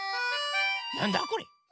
なんだこれ？